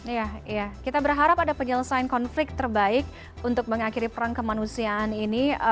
iya kita berharap ada penyelesaian konflik terbaik untuk mengakhiri perang kemanusiaan ini